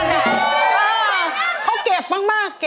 พ่อเชื่อมันในตัวลูกพ่อได้